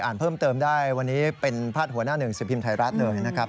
เพิ่มเติมได้วันนี้เป็นพาดหัวหน้าหนึ่งสิบพิมพ์ไทยรัฐเลยนะครับ